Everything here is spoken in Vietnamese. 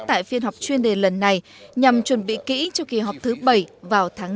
tại phiên họp chuyên đề lần này nhằm chuẩn bị kỹ cho kỳ họp thứ bảy vào tháng năm